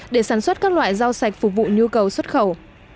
để sản xuất các loại rau sạch phục vụ nhu cầu xuất khẩu